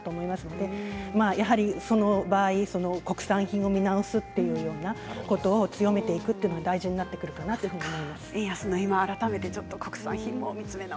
その場合、国産品を見直すというようなことを強めていくのも大事になってくるかなと思います。